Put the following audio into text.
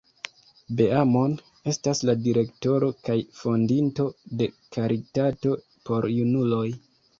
Beamon estas la direktoro kaj fondinto de karitato por junuloj.